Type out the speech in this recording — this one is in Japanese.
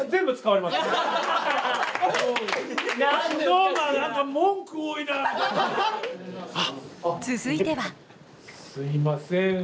すいません